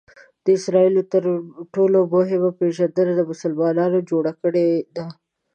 د اسراییلو تر ټولو مهمه پېژندنه مسلمانانو جوړه کړې ده.